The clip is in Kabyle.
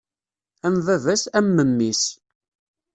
Am baba-s, am memmi-s.